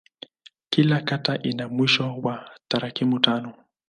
Kila kata ina msimbo wa tarakimu tano.